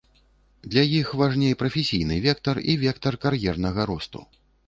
Для іх важней прафесійны вектар і вектар кар'ернага росту.